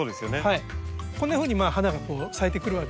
こんなふうに花が咲いてくるわけなんですけど。